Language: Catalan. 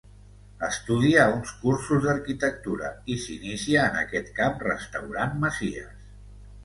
Estudia uns cursos d'arquitectura i s'inicia en aquest camp restaurant masies.